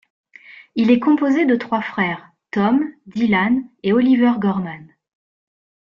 Il est composé de trois frères, Tom, Dylan et Oliver Gorman.